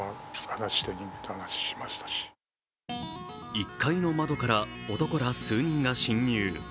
１階の窓から男ら数人が侵入。